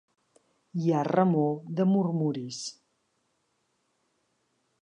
Hi ha remor de murmuris.